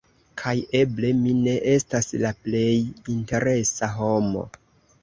Kaj eble mi ne estas la plej interesa homo.